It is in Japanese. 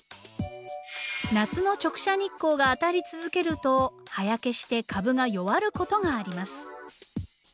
夏の直射日光が当たり続けると葉焼けして株が弱ることがあります。